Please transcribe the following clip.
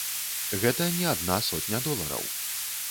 Гэта не адна сотня долараў.